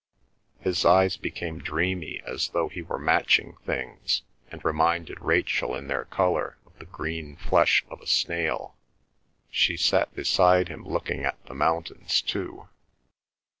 His eyes became dreamy, as though he were matching things, and reminded Rachel in their colour of the green flesh of a snail. She sat beside him looking at the mountains too.